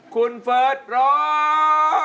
คุณเฟิร์สร้อง